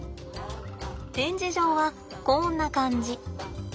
展示場はこんな感じ。